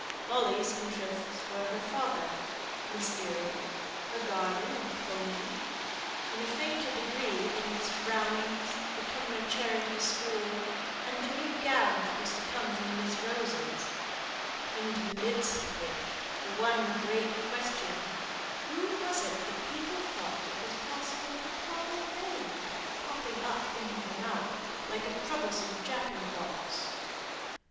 Molly's interests were her father, Miss Eyre, her garden and pony; in a fainter degree Miss Brownings, the Cumnor Charity School, and the new gown that was to come from Miss Rose's; into the midst of which the one great question, "Who was it that people thought it was possible papa might marry?" kept popping up into her mouth, like a troublesome Jack in the box.